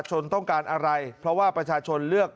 ชนต้องการอะไรเพราะว่าประชาชนเลือก